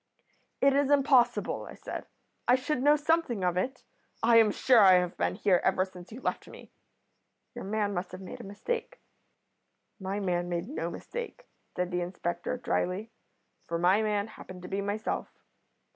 "'It is impossible,' I said. 'I should know something of it. I am sure I have been here ever since you left me. Your man must have made a mistake.' "'My man made no mistake,' said the inspector, drily, 'for my man happened to be myself.